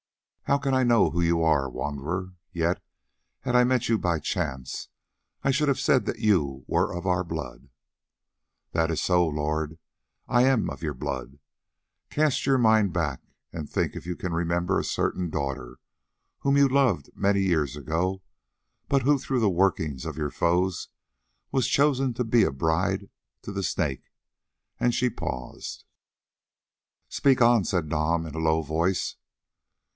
"How can I know who you are, wanderer? Yet, had I met you by chance, I should have said that you were of our blood." "That is so, lord, I am of your blood. Cast your mind back and think if you can remember a certain daughter whom you loved many years ago, but who through the workings of your foes was chosen to be a bride to the Snake," and she paused. "Speak on," said Nam in a low voice.